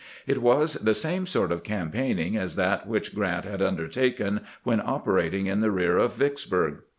It was the same sort of campaigning as that which Grrant had undertaken when operating in the rear of Vicksburg.